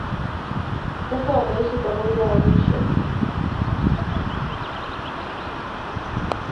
Sasa wanaishi pamoja Arusha.